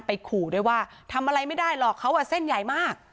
ขู่ด้วยว่าทำอะไรไม่ได้หรอกเขาเส้นใหญ่มาก